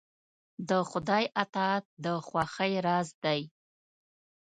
د خدای اطاعت د خوښۍ راز دی.